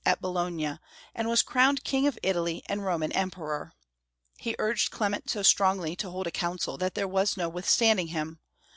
at Bologna, and was crowned King of Italy and Roman Emperor. He urged Clement so strongly to hold a council that there was no withstanding him.